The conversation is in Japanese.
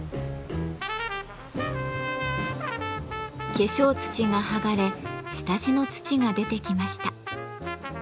化粧土が剥がれ下地の土が出てきました。